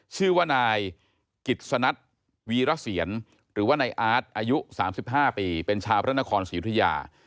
ชื่อว่านายกิจสนัทวีรเสียนหรือว่านายอาร์ตอายุ๓๕ปีเป็นชาวพระนครศรีอุทยา